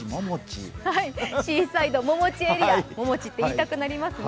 シーサイドももちエリア、ももちっていいたくなりますね。